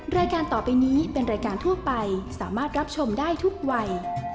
รายการต่อไปนี้เป็นรายการทั่วไปสามารถรับชมได้ทุกวัย